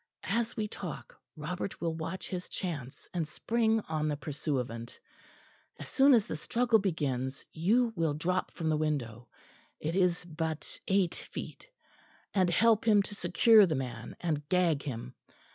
As we talk, Robert will watch his chance and spring on the pursuivant. As soon as the struggle begins you will drop from the window; it is but eight feet; and help him to secure the man and gag him.